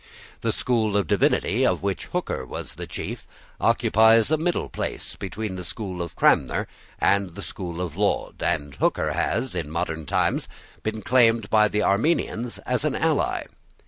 The school of divinity of which Hooker was the chief occupies a middle place between the school of Cranmer and the school of Laud; and Hooker has, in modern times, been claimed by the Arminians as an ally.